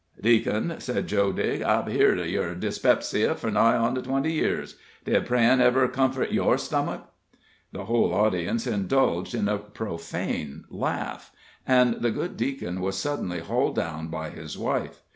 ] "Deacon," said Joe Digg, "I've heerd of your dyspepsy for nigh on to twenty year; did prayin' ever comfort your stomach?" The whole audience indulged in a profane laugh, and the good deacon was suddenly hauled down by his wife.